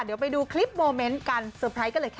เดี๋ยวไปดูคลิปโมเมนต์การเซอร์ไพรส์กันเลยค่ะ